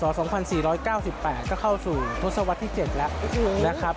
๒๔๙๘ก็เข้าสู่ทศวรรษที่๗แล้วนะครับ